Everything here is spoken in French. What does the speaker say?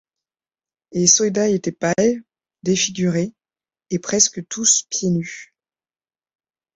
Les soldats étaient pâles, défigurés, et presque tous pieds nus.